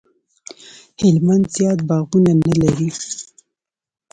هلمند زیات باغونه نه لري